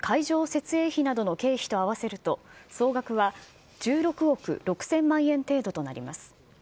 設営費などの経費と合わせると、総額は１６億６０００万円程度となります。